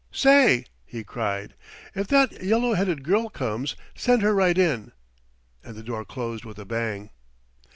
"Say," he cried, "if that yellow headed girl comes, send her right in," and the door closed with a bang.